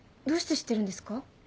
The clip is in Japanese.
どうして知ってるんですか？